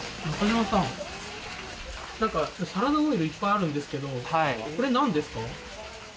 なんかサラダオイルいっぱいあるんですけど、これなんですか？